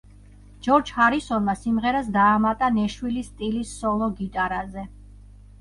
ჯორჯ ჰარისონმა სიმღერას დაამატა ნეშვილის სტილის სოლო გიტარაზე.